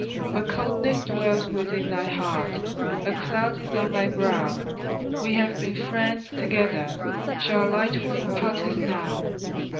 But coldness dwells within thy heart, A cloud is on thy brow; We have been friends together, Shall a light word part us now?